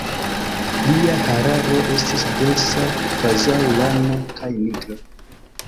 Lia hararo estis densa kvazaŭ lano, kaj nigra.